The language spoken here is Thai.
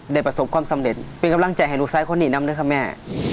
ประสบความสำเร็จเป็นกำลังใจให้ลูกชายคนนี้นำด้วยค่ะแม่